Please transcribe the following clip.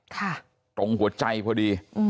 ตรงหัวใจพอดี